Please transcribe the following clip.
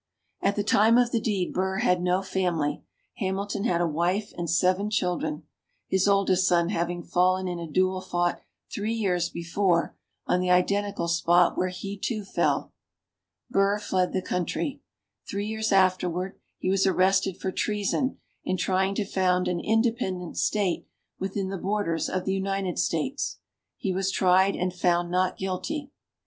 At the time of the deed Burr had no family; Hamilton had a wife and seven children, his oldest son having fallen in a duel fought three years before on the identical spot where he, too, fell. Burr fled the country. Three years afterwards, he was arrested for treason in trying to found an independent State within the borders of the United States. He was tried and found not guilty.